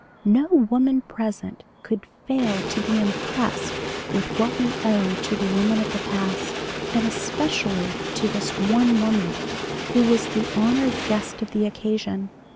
No woman present could fail to be impressed with what we owe to the women of the past, and especially to this one woman who was the honored guest of the occasion.